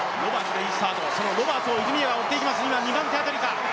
ロバートを泉谷が追っていきます。